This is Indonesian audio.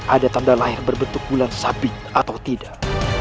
ada tanda lahir berbentuk bulan sabit atau tidak